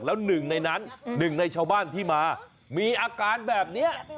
แล้วหนึ่งในนั้นหนึ่งในชาวบ้านที่มามีอาการแบบนี้